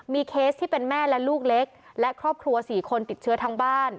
เคสที่เป็นแม่และลูกเล็กและครอบครัว๔คนติดเชื้อทั้งบ้าน